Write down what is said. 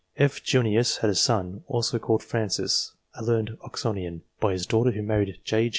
F. Junius had a son, also called Francis, a learned Oxonian ; by his daughter, who married J.